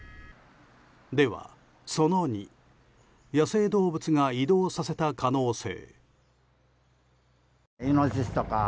では、その２野生動物が移動させた可能性。